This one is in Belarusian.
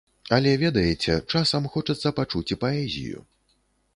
Але, ведаеце, часам хочацца пачуць і паэзію.